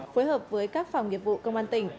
phối hợp với các phòng nghiệp vụ công an tỉnh